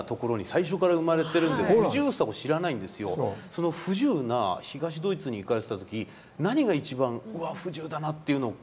その不自由な東ドイツに行かれてた時何が一番「わあ不自由だな」っていうのを感じるもんなんですか？